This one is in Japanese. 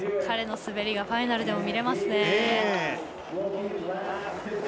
彼の滑りがファイナルでも見られますね。